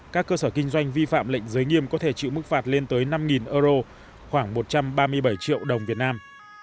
các cơ sở kinh doanh vi phạm lệnh giới nghiêm có thể chịu mức phạt lên tới năm euro khoảng một trăm ba mươi bảy triệu đồng việt nam